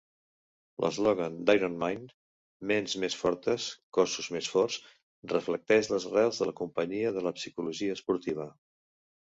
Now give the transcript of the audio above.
L'eslògan d'IronMind, "Ments més fortes, cossos més forts", reflecteix les arrels de la companyia en la psicologia esportiva.